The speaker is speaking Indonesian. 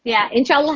ya insya allah